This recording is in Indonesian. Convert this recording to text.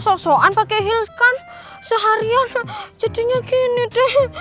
so soan pakai heels kan seharian jadinya gini deh